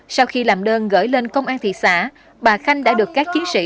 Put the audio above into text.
sau khi làm đơn gửi lên công an thị xã bà khanh đã được các chiến sĩ